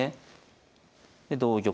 で同玉と。